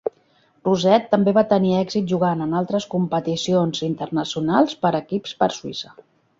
Rosset també va tenir èxit jugant en altres competicions internacionals per equips per Suïssa.